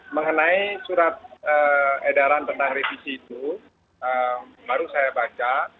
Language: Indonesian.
mengenai surat edaran tentang revisi itu baru saya baca